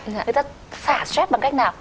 người ta xả stress bằng cách nào